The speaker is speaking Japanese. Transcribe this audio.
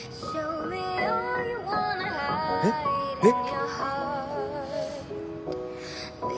えっ？えっ？